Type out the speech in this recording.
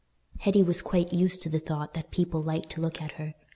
Hetty was quite used to the thought that people liked to look at her.